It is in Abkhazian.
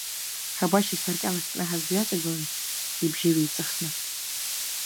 Ҳабашь асаркьал ахькнаҳаз дҩаҵагылан, ибжьы ҩеиҵыхны.